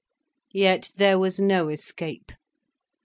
Yet there was no escape.